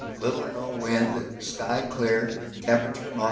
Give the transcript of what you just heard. Little or no wind; sky clear, temperature 25°.